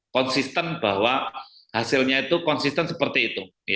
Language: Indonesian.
konsisten bahwa hasilnya itu konsisten seperti itu